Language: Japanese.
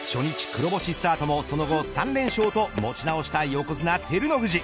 黒星スタートもその後、３連勝と持ち直した横綱、照ノ富士。